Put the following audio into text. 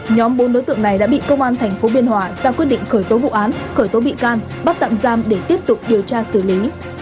nhóm bốn đối tượng này đã bị công an tp biên hòa ra quyết định khởi tố vụ án khởi tố bị can bắt tạm giam để tiếp tục điều tra xử lý